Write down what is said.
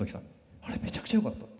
あれめちゃくちゃよかった。